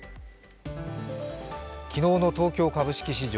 昨日の東京株式市場。